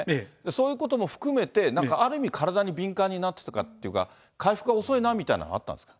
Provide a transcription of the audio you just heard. そういうことも含めて、なんかある意味、体に敏感になってたというか、回復が遅いなみたいなのはあったんですか？